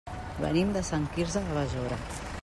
Venim de Sant Quirze de Besora.